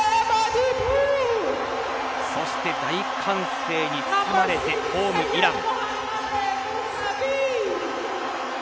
そして大歓声に包まれてホーム、イラン。